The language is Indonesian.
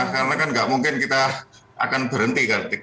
karena kan tidak mungkin kita akan berhenti